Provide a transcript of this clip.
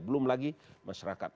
belum lagi masyarakat